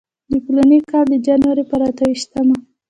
د فلاني کال د جنورۍ پر اته ویشتمه.